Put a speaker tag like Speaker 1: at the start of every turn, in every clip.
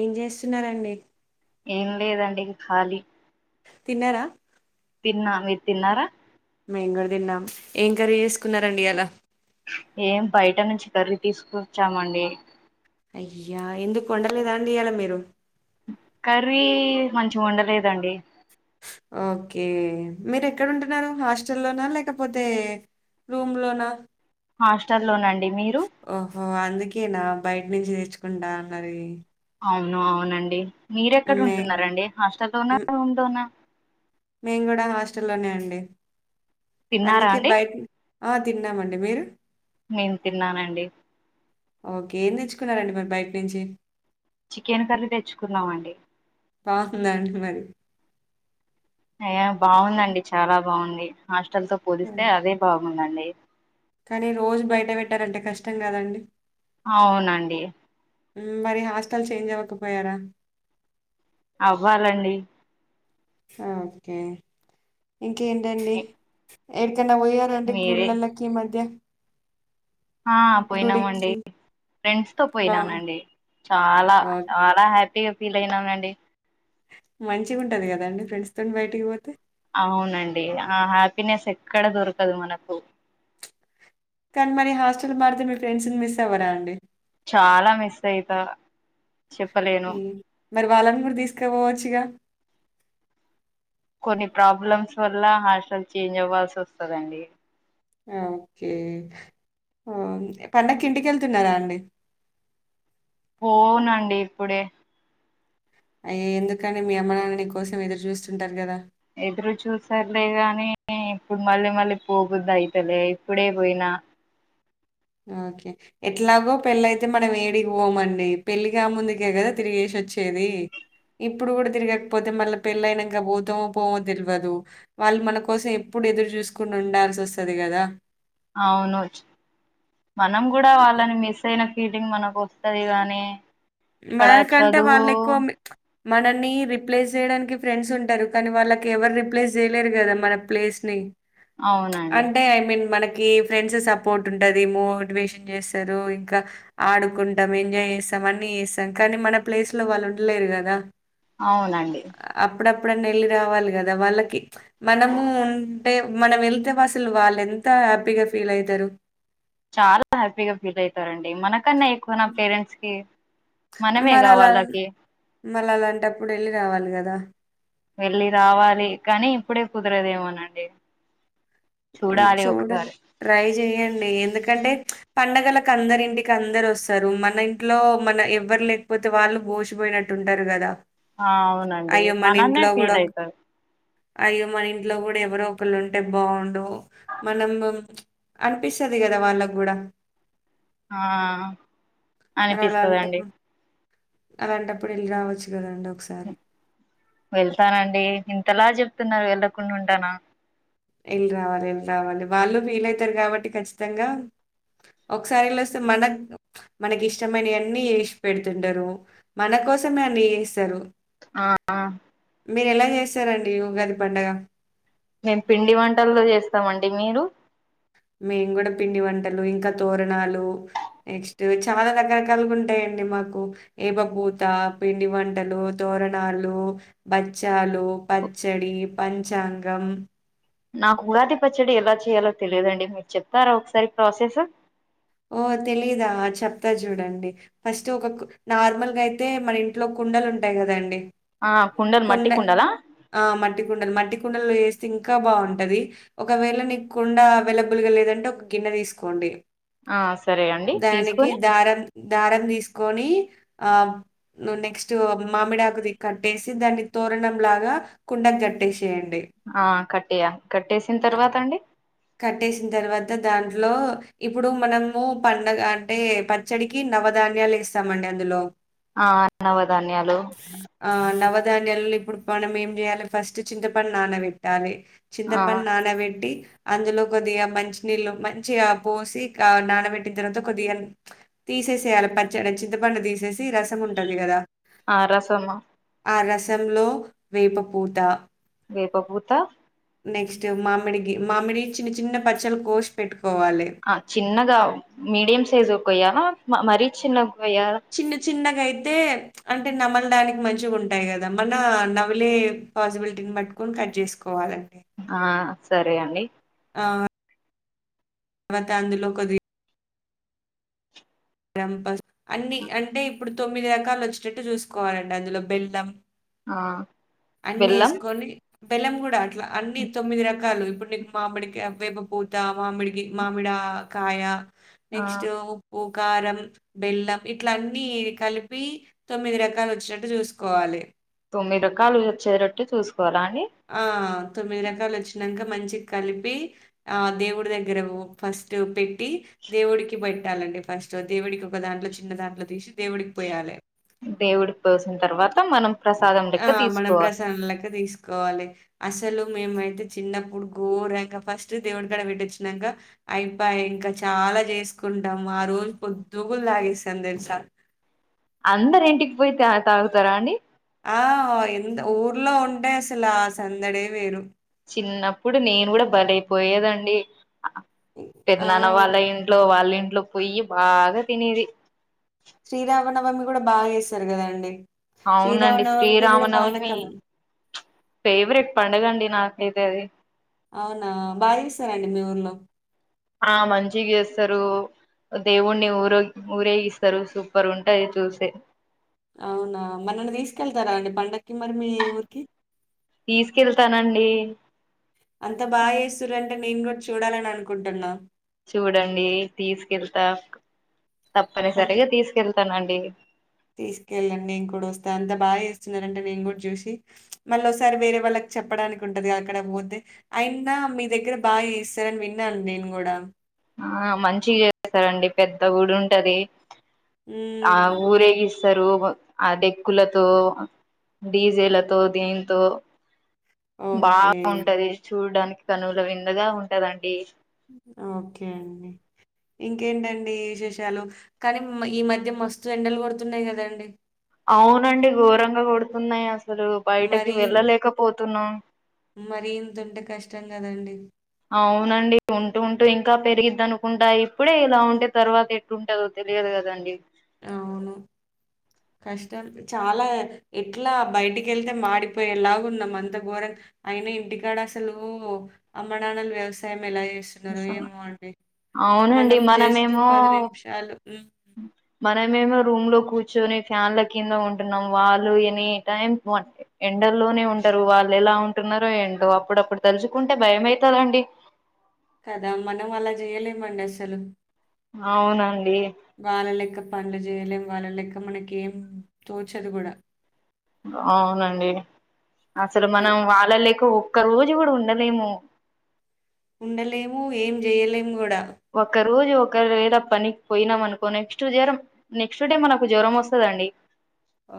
Speaker 1: ఏం చేస్తున్నారండి?
Speaker 2: ఏం లేదండి, ఖాళీ
Speaker 1: తిన్నరా?
Speaker 2: తిన్నా, మీర్ తిన్నారా?
Speaker 1: మేమ్ గుడ తిన్నాం, ఏం కర్రీ చేసుకున్నారండి ఇయాలా?
Speaker 2: ఏం బయట నుంచి కర్రీ తీసుకొచ్చామండి.
Speaker 1: అయ్యా ఎందుకు వండ లేదా అండి ఇయ్యాలా మీరు?
Speaker 2: కర్రీ మంచిగ ఒండలేదండి.
Speaker 1: ఓకే, మీరు ఎక్కడ ఉంటున్నారు, హాస్టల్లోనా లేకపోతే రూమ్ లోన?
Speaker 2: హాస్టల్లోనండ్
Speaker 1: ఓహో అందుకెనా బయట నుంచి తెచ్చుకుంటా అన్నది.
Speaker 2: అవును అవునండి, మీరెక్కడ
Speaker 1: మే
Speaker 2: ఉంటున్నారండి హాస్టల్ లోన, రూమ్ లోన
Speaker 1: మేం గుడ హాస్టల్లోనే అండి,
Speaker 2: తిన్నారా
Speaker 1: అందుకే
Speaker 2: అండి
Speaker 1: బయట్ ఆ తిన్నామండి మీరు?
Speaker 2: నేన్ తిన్నానండి.
Speaker 1: ఓకే ఏం తెచ్చుకున్నారండి మరి బయట నుంచి?
Speaker 2: చికెన్ కర్రీ తెచ్చుకున్నామండి.
Speaker 1: మాకు లే అండి మరి
Speaker 2: అయ్యా బావుందండి చాలా బావుంది, హాస్టల్ తో పోలిస్తే అదే బావుందండి.
Speaker 1: కాని రోజు బయట పెట్టారంటే కష్టం కదండి.
Speaker 2: అవునండి.
Speaker 1: ఉమ్ మరి హాస్టల్ చేంజ్ అవ్వకపోయారా?
Speaker 2: అవ్వాలండి.
Speaker 1: ఆ ఓకే, ఇంకేంటండి? ఎడ్ ఎటన్న బోయారా అండి
Speaker 2: మీరే
Speaker 1: గుడిలల్లకి ఈమధ్య?
Speaker 2: ఆ పోయినామండి.
Speaker 1: గుడికి
Speaker 2: ఫ్రెండ్స్తో
Speaker 1: బాగుం
Speaker 2: పోయినానండి, చాలా చాలా హ్యాపీగా ఫీల్ అయినానండి.
Speaker 1: మంచిగా ఉంటది కదా అండి ఫ్రెండ్స్ తోటి బయటికి పోతే.
Speaker 2: అవునండి ఆ హ్యాపీనెస్ ఎక్కడ దొరకదు మనకు.
Speaker 1: కనీ మరి హాస్టల్ మారితే మీ ఫ్రెండ్స్ ని మిస్ అవ్వరా అండి?
Speaker 2: చాల మిస్ అయితా. చెప్పలేను
Speaker 1: ఉమ్ మరి వాళ్ళని గుడ తీసుకపోవచ్చుగా?
Speaker 2: కొన్ని ప్రాబ్లమ్స్ వల్ల హాస్టల్ చేంజ్ అవ్వాల్సి వస్తదండి.
Speaker 1: ఆ ఓకే. ఓకే పండక్కి ఇంటికెళ్తున్నారా అండి.
Speaker 2: పోనండి ఇప్పుడే.
Speaker 1: అయ్యే ఎందుకండీ, మీ అమ్మ నాన్న నీ కోసం ఎదురు చూస్తుంటారు కదా.
Speaker 2: ఎదురు చూస్తారులే గానీ ఇప్పుడు మళ్ళీ మళ్ళీ పోబుద్ది అయితలే, ఇప్పుడే పోయినా
Speaker 1: ఓకే ఎట్లాగో పెళ్ళయితే మనం ఏడికిపోమండి, పెళ్లి కా ముందుకే కదా తిరిగేసి వచ్చేది. ఇప్పుడు కూడా తిరగకపోతే మళ్ళీ పెళ్ళ అయినంక బోతమో పోమో తెలివదు, వాళ్ళు మన కోసం ఇప్పు ఇప్పుడు ఎదురు చూసుకుండ ఉండాల్సి వస్తది కదా.
Speaker 2: అవును, చ్ మనం గుడ ఆళ్ళని మిస్ అయిన ఫీలింగ్ మనకొస్తది గానీ
Speaker 1: మనకంటే వాళ్లేక్కువ మన నీ రిప్లేస్ చేయడానికి ఫ్రెండ్స్ ఉంటరు, కానీ వాళ్ళకి ఎవరు రిప్లేస్ చేయలేరు కదా మన ప్లేస్ ని.
Speaker 2: అవునండి
Speaker 1: అంటే ఐ మీన్ మన కి ఫ్రెండ్స్ సపోర్ట్ ఉంటుది మోటివేషన్ చేస్తారు ఇంకా ఆడుకుంటాం ఎంజాయ్ చేస్తాం అన్ని చేస్తం కానీ మన ప్లేస్ లో వాళ్ళు ఉండలేరు కదా
Speaker 2: అవునండి
Speaker 1: ఎప్పుడన్నా వెళ్ళి రావాలి కదా వాళ్ళకి మనము ఉంటే మనం వెళ్తే అసలు వాళ్ళ ఎంత హ్యాపీగా ఫీల్ అయితారు
Speaker 2: చాలా హ్యాపీగా ఫీల్ అయితారండి మన కన్నా ఎక్కువనా పేరెంట్స్ కి
Speaker 1: మరలా
Speaker 2: మనమేగావాళ్ళకి
Speaker 1: మరలాంటప్పుడు ఎళ్లి రావాలి కదా
Speaker 2: వెళ్ళి రావాలి కానీ ఇప్పుడే కుదరేదేమోనండి
Speaker 1: చూడండ్ ట్రై చేయండి ఎందుక్ కంటే పండగలకు అందరు ఇంటికి అందరు వస్తారు మన ఇంట్లో మన ఎవరు లేకపోతే వాళ్ళు బోషీ పోయినట్టుంటారు కదా
Speaker 2: ఆ అవునండి మనన్నే ఫీల్ అయితారు
Speaker 1: అయ్యో మన ఇంట్లో కూడా ఎవరో ఒకళ్ళు ఉంటే బాగుండు మనం బామ్ అనిపిస్తది కదా వాళ్ళకు కూడా
Speaker 2: ఆహ్
Speaker 1: మరలాంటప్పుడు
Speaker 2: అనిపిస్తదండి
Speaker 1: అలాంటప్పుడు ఎల్లి రావాల్సి
Speaker 2: వెళ్తానండి ఇంతలా చెప్తున్నారు వెళ్ళకుండుంటానా
Speaker 1: ఎల్లి రావాలి ఎల్లి రావాలి వాళ్ళు ఫీలైతారు కాబట్టి ఖచ్చితంగా ఒకసారి ఎల్లివస్తే మనక్ మనకి ఇష్టమైనయన్ని ఏష్ పెడుతుంటారు మన కోసమే అన్ని చేస్తారు
Speaker 2: ఆ ఆ
Speaker 1: మీరు ఎలా చేస్తారండి ఉగాది పండగ
Speaker 2: మేం పిండి వంటలల్లో చేస్తామండి మీరు
Speaker 1: మేం కూడా పిండి వంటలు ఇంకా తోరణాలు నెక్స్ట్ చాలా రకరకాలుగా ఉంటాయం డి మాకు ఏప పూత పిండి వంటలు తోరణాలు బచ్చాల్ లు పచ్చడి పంచాంగం
Speaker 2: నాకు ఉగాది పచ్చడి ఎలా చేయాలో తెలియదండి మీరు చెప్తారా ఒకసారి ప్రాసెసు
Speaker 1: ఓ తెలీదా చెప్తా చూడండి ఫస్ట్ ఒక కు నార్మల్గా అయితే మన ఇంట్లో కుండలు ఉంటాయి కదండి
Speaker 2: ఆ కుండలు మట్టి
Speaker 1: కుండ
Speaker 2: కుండలా
Speaker 1: ఆ మట్టి కుండలు మట్టి కుండల్లో చేస్ స్తే ఇంకా బాగుంటది ఒకవేళ నీకు కుండా అవైలబుల్ గా లేదంటే ఒక గిన్నె తీసుకోండి
Speaker 2: ఆ సరే అండి
Speaker 1: దానికి
Speaker 2: తీసుకొని
Speaker 1: దార్ దారం తీస్ కోని ఆ నెక్స్ట్ మామిడాకుది కట్టేసి దాన్ని తోరణం లాగా గా కుండక్ కట్టేష్
Speaker 2: ఆ కట్టేయ కట్టేసిన తర్వాత అండి
Speaker 1: కట్టేసిన తర్వాత దాంట్లో ఇప్పుడు మనము పండగ అంటే పచ్చడికి న నవదాన్యాలేస్తామండి అందులో
Speaker 2: ఆ నవధాన్యాలు
Speaker 1: ఆ నవ దాన్యలలో ఇప్పుడు మనం ఏం చెయాలి ఫస్ట్ చింతపండ్ నానవెట్టాలి
Speaker 2: ఆ
Speaker 1: చింతపండ్ నానవెట్టి అందులో కొద్దిగా మంచినీళ్ళు మంచిగా పోసిఆ నానబెట్టిన తర్వాత కొద్దిగా తీ చేసేయలా పచ్చడి చింతపండు తీసేసి రసం ఉంటది కదా
Speaker 2: ఆ రసమ్మ
Speaker 1: ఆ రసంలో వేపపూత
Speaker 2: వేపపూత
Speaker 1: నెక్స్ట్ మామిడికి మామిడి చిన్న చిన్న పచ్చలు కోష్ పెట్టుకు
Speaker 2: ఆ చిన్నగా మీడియం సైజ్ ఓకోయాల మరీ చిన్న కొయ్యాల
Speaker 1: చిన్న చిన్నగాయితే అంటే నమలడానికి మంచిగా ఉంటాయి కదా మనా నవిలే పాసిబిలిటీని బట్టుకొని కట్ చేసుకోవాలె
Speaker 2: ఆ సరే అండి
Speaker 1: ఆ తర్వాత అందులో కొద్ది గంపస్ అన్ని అంటే ఇప్పుడు తొమ్మిది రకాలు వచ్చేటట్టు చూసుకోవాలంట అందులో బెల్లం
Speaker 2: ఆ బెల్లం
Speaker 1: అన్నేసుకొని బెల్లం కూడా అట్లా అన్ని తొమ్మిది రకాలు ఇప్పుడు నీకు మామిడికాయ్ వేపపూత మామిడిగి మామిడ కాయ
Speaker 2: ఆ
Speaker 1: నెక్స్ట్ ఉప్పు కారం బెల్లం ఇట్ల అన్నీ కలిపి తొమ్మిది రకాలు వచ్చేటట్టు చూసుకోవాలి.
Speaker 2: తొమ్మిది రకాలు వచ్చేటట్టు చూస్కో
Speaker 1: ఆ తొమ్మిది రకాలు వచ్చినాంక మంచిగ కలిపి ఆ దేవుడి దగ్గర ఫస్ట్ పెట్టి దేవుడికి పెట్టాలండి ఫస్ట్ దేవుడికి ఒక దాంట్లో చిన్న దాంట్లో తీషి దేవుడికి పోయాలే.
Speaker 2: దేవుడికి పోసిన తర్వాత మనం ప్రసాదం లెక్క తీసుకోవా
Speaker 1: కోవాలి. అసలు మేమైతే చిన్నప్పుడు గోరంగా ఫస్ట్ దేవుడికాడ పెట్టొచ్చినాంక అయిపయ ఇంకా చాలా చేసుకుంటాము ఆ రోజు పొద్దుగుల్ తాగేస్తాం తెలుసా
Speaker 2: అందరింటికి పోయి త తాగుతారా అండి.
Speaker 1: ఆ ఎంత ఊర్లో ఉంటే అసలు ఆ సందడే వేరు
Speaker 2: చిన్నప్పుడు నేను గూడా భలే పోయేదండి. అ
Speaker 1: ఆ!
Speaker 2: పెద్దనాన్న వాళ్ళ ఇంట్లో వాళ్ళింట్లో పోయ్యి బాగా తినేది.
Speaker 1: శ్రీరామనవమి కూడా బాగా చేస్తరు కదండి.
Speaker 2: అవునండి. శ్రీరామనవమి ఫేవరెట్ పండగండి నాక్ కైతే అది
Speaker 1: అవునా బాగ్చెస్తారాండి మీ ఊర్లో
Speaker 2: ఆ మంచిగ చేస్తరు. దేవుణ్ణి ఊరొ ఊరేగిస్తారు సూపర్ గుంటది చూస్తే
Speaker 1: అవునా మరి నన్ని తీసుకెళ్తారా అండి పండక్ క్కి మరి మీ ఊర్కి
Speaker 2: తీసుకెళ్తానండి
Speaker 1: అంత బాగ్చెస్తుర్రంటే నేను కూడా చూడాలని అనుకుంటున్నా
Speaker 2: చూడండి తీసుకెళ్తా
Speaker 1: అప్పుడు
Speaker 2: తప్పనిసరిగా తీసుకెళ్ త నండి.
Speaker 1: తీసుకెళ్ళండి నేను కూడా వస్తా అంత బాగ చేస్తున్నరంటే నేను కూడా చూషి మళ్ళీ ఒకసారి వేరే వాళ్ళక్ కి చెప్పడానికి ఉంటది అక్కడ పోతే అయైనా మీ దగ్గర బాగా చెస్తారని విన్నాను నేను కూడా
Speaker 2: ఆ మంచిగా చేస్తారండి పెద్ద గుడి ఉంటది. ఆ
Speaker 1: హ్మ్.
Speaker 2: ఊరేగిస్ స్సరు. ఆ డెక్కులతో డీజేలతో దీంతో
Speaker 1: ఓకే.
Speaker 2: బాగుంటది చూడ్డానికి కనుల విందుగా ఉంటదండి.
Speaker 1: ఓకే అండి. ఇంకేంటండి విశేషాలు కానీ మ్ ఈ మధ్య మస్తు ఎండలు కొడుతున్నాయి కదండి.
Speaker 2: అవునండి ఘోరంగా కొడుతున్నాయి అస అసలు బయటకి
Speaker 1: మరీ
Speaker 2: వెళ్ళలేకపోతున్నాం.
Speaker 1: కదండి.
Speaker 2: అవునండి ఉంటూ ఉంటూ ఇంకా పెరిగిద్ద అనుకుంటా ఇప్పుడే ఇలా ఉంటే తర్వాత ఎట్టుంటదొ తె తెలియదు కదండి.
Speaker 1: అవును కష్టం చాలా ఎట్లా బయటికి వెళ్తే మాడిపోయేలాగున్నాం అంత ఘోరంగ అయిన ఇంటికాడసలు అమ్మనాన్నలు వ్యవసాయం ం. ఎలా చేస్తున్నారో
Speaker 2: అసలు.
Speaker 1: ఏమో అండి.
Speaker 2: అవునండి
Speaker 1: మనం జస్ట్
Speaker 2: మనమేమో
Speaker 1: పది నిమిషాలు హ్మ్.
Speaker 2: మనమేమో రూమ్లో కూర్చొని ఫ్యాన్ల కింద ఉంటున్నాం వాళ్ళు ఎనీ టైం ఎండల్లోనే ఉంటారు వాళ్ళు ఎలా ఉంటున్నారో ఏంటో అప్పుడప్పుడు తలుచుకుంటే బయమైతదండి.
Speaker 1: కదా మనం అలా జెయ్యలేమండి అసలు.
Speaker 2: అవునండి
Speaker 1: పన్లు చేయలేం వాళ్ళ లెక్క మనకి ఏం తోచదు కూడా
Speaker 2: అవునండి అసలు
Speaker 1: అల్
Speaker 2: మనం వాళ్ళ లె క్క ఒక్క రోజు కూడా ఉండలేము
Speaker 1: ఉండలేము ఏం చెయలేము కూడా
Speaker 2: వోక రోజు ఒక రేల పనిక్పోయినాం అనుకో నెక్స్ట్ జ్వరం నెక్స్ట్ డే మనకు జ్వరం వస్తదండి
Speaker 1: ఆ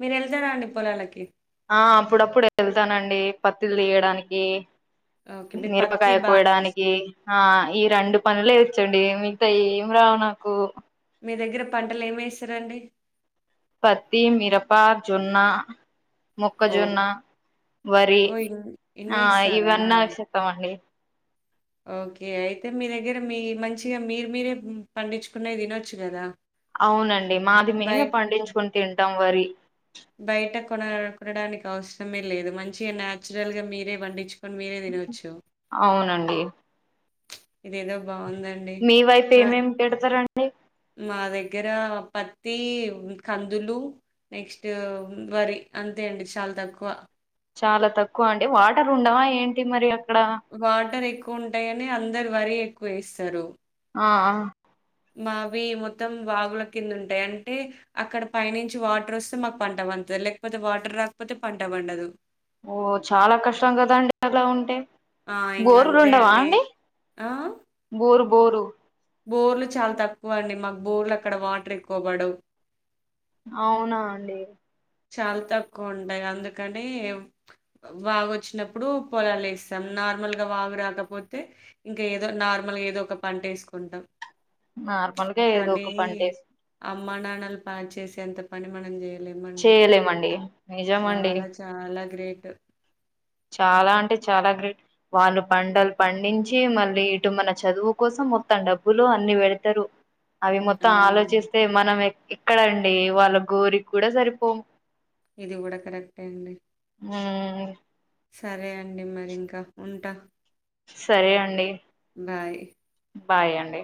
Speaker 1: మీర్ ఎళ్తారా అండి పోలాలకి
Speaker 2: ఆ అప్పుడప్పుడు వెళ్తానండి పత్తుల్ తీయడానికి
Speaker 1: ఓకే. మీరు పత్తి
Speaker 2: మిరపకాయ
Speaker 1: బాగా ఏస్
Speaker 2: కోయడానికి ఆ ఈ రెండు పనులే చండి మిగితాయ్ ఏం రావు నాకు
Speaker 1: మీ దగ్గర పంటల్ ఏం ఎస్తరండి
Speaker 2: పత్తి, మిరప, జొన్న
Speaker 1: ఓకే.
Speaker 2: మొక్కజొన్న, వరి
Speaker 1: ఓహ్! ఇన్
Speaker 2: ఆ
Speaker 1: ఇన్నేస్తారా?
Speaker 2: ఇవన్న ఆగ్ చెత్త మండి
Speaker 1: ఓకే అయితే మీ దగ్గర మీ మంచిగా మీరు మీరే పండించుకున్నయ్ తినోచ్చు కదా
Speaker 2: అవునండి మాది మేమే పండించ్కుని తింటాం వరి
Speaker 1: కోనా కోనడునడానికి అవసరమే లేదు మంచిగా న్యాచురల్ గా మీరే పండిచ్ కోన్ మీరే తినోచ్చు
Speaker 2: అవునండి
Speaker 1: బావుందండి.
Speaker 2: మీ వైప్
Speaker 1: మా
Speaker 2: ఏం ఎం పెడతరండి
Speaker 1: మా దగ్గర పత్తి, కందులు నెక్స్ట్ వరి అంత్ తేండి చాల్ తక్కువ
Speaker 2: చాలా తక్కువ అంటె వాటర్ ఉండవా ఏంటి మరి అ
Speaker 1: వాటర్ ఎక్కువ ఉంటయ్ అని అందర్ వరి ఎక్కువ ఎస్తారు
Speaker 2: అ ఆ
Speaker 1: మావి మొత్తం వాగుల కింద ఉంటాయ్ అంటే అక్కడ పైనుంచి వాటర్ ఒస్తే మాకు పంట వం త్ లేక్పోతే వాటర్ రాకపోతే పంట పండదు
Speaker 2: ఓ చాలా కష్టం కదండి అలా ఉంటే
Speaker 1: ఆ! ఇంగ
Speaker 2: బోరులు
Speaker 1: అంతే
Speaker 2: ఉండవా అండి
Speaker 1: ఆ?
Speaker 2: బోరు బోరు
Speaker 1: బోర్లు చాల్ తక్కువ అండి మాకు బోర్లు అక్కడ వాటర్ ఎక్కువ బడవ్
Speaker 2: అవునా అండి
Speaker 1: చాల్ తక్కువ ఉంటయ్ అందుకండి ఎవ్ వాగ్ ఒచ్చినప్పుడు పొలాల్ ఎస్తాం నార్మల్గ వాగు రాకపోతే ఇంకా ఏదో నార్మల్గా ఏదో ఒక పంటేస్కుంటం
Speaker 2: నార్మల్గా ఏదో ఒక పంటేస్
Speaker 1: అమ్మ నాన్నల్ ప్యాక్ చేసే అంత పని మనం చేయలేముండి
Speaker 2: ఎలేమండి నిజమండీ
Speaker 1: గ్రేటు
Speaker 2: చాలా అంటే చాలా గ్రేట్ వాళ్ళు పంటల్ పండించి మళ్ళీ ఇటు మన చదువు కోసం మొత్తం డబ్బులు అన్ని పెడతరు అవి మొత్తం
Speaker 1: అవునండి.
Speaker 2: ఆలోచిస్తే మనం ఎక్ ఎక్కడ అండి వాళ్ళ గోరిక్ కూడా సరిపొం
Speaker 1: ఇది కూడ కరెక్టే అండి
Speaker 2: ఉమ్మ్
Speaker 1: సరే అండి మరి ఇంక ఉంట
Speaker 2: సరే అండి
Speaker 1: బాయ్
Speaker 2: బాయ్ అండి